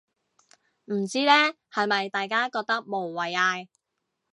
唔知呢，係咪大家覺得無謂嗌